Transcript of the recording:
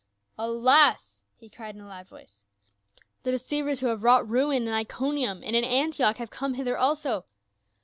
"Alas!" he cried in a loud voice, "the deceivers who have wrought ruin in Iconium and in Antioch have come hither also